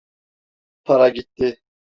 Para gitti.